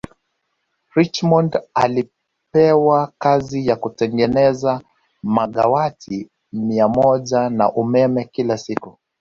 Richmond ilipewa kazi ya kutengeneza megawati mia moja za umeme kila siku